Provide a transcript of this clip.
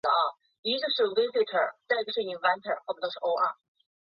完成此任务后墨尔本号前往悉尼准备开始就搭载新定翼机进行改装。